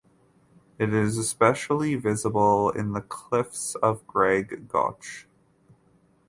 It is especially visible in the cliffs of Graig Goch.